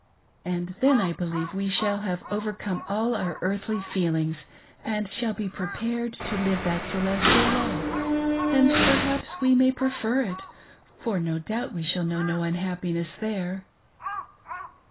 And then I believe we shall have overcome all our earthly feelings and shall be prepared to live that celestial law, and perhaps we may prefer it, for no doubt we shall know no unhappiness there."